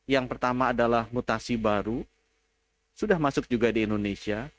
yang pertama adalah mutasi baru sudah masuk juga di indonesia